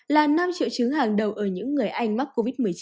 là năm triệu chứng hàng đầu ở những người anh mắc covid một mươi chín